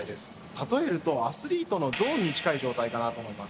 例えるとアスリートのゾーンに近い状態かなと思います。